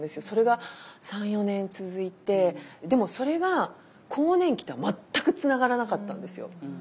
それが３４年続いてでもそれが更年期とは全くつながらなかったんですよ。